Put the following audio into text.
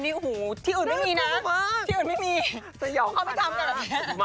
ที่อื่นไม่มีนะที่อื่นไม่มีเขาไม่ทำแบบนี้